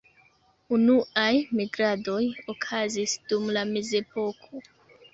Unuaj migradoj okazis dum la Mezepoko.